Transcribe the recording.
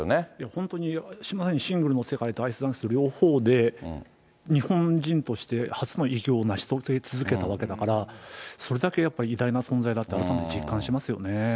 本当にシングルの世界とアイスダンスの両方で日本人として初の偉業を成し遂げ続けたわけだから、それだけやっぱり偉大な存在だったと改めて実感しますよね。